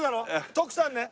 徳さんね。